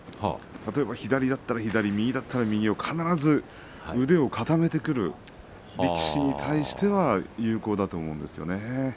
例えば、左だったら左右だったら右を必ず腕を固めてくる力士に対しては有効だと思うんですよね。